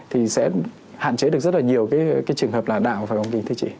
thì sẽ hạn chế được rất là nhiều cái trường hợp là đạo phải không kính thưa chị